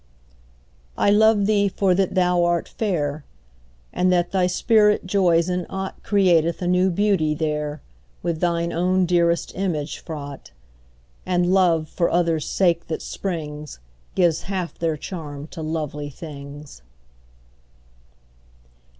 I love thee for that thou art fair; And that thy spirit joys in aught Createth a new beauty there, With throe own dearest image fraught; And love, for others' sake that springs, Gives half their charm to lovely things.